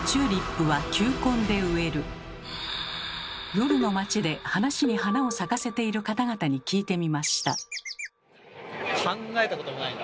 夜の街で話に花を咲かせている方々に聞いてみました。